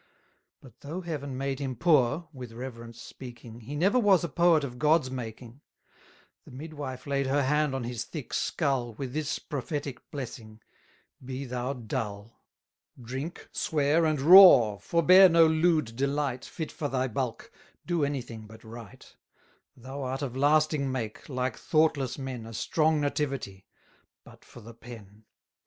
But though Heaven made him poor (with reverence speaking), He never was a poet of God's making; The midwife laid her hand on his thick skull, With this prophetic blessing Be thou dull; Drink, swear, and roar, forbear no lewd delight Fit for thy bulk do anything but write: Thou art of lasting make, like thoughtless men, 480 A strong nativity but for the pen!